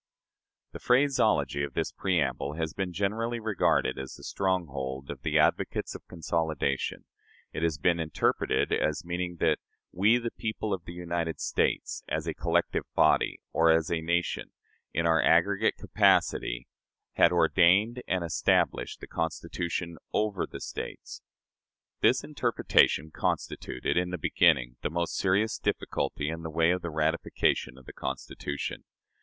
The phraseology of this preamble has been generally regarded as the stronghold of the advocates of consolidation. It has been interpreted as meaning that "we, the people of the United States," as a collective body, or as a "nation," in our aggregate capacity, had "ordained and established" the Constitution over the States. This interpretation constituted, in the beginning, the most serious difficulty in the way of the ratification of the Constitution.